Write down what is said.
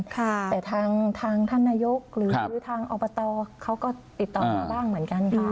แต่ทางท่านนายกหรือทางอบตเขาก็ติดต่อมาบ้างเหมือนกันค่ะ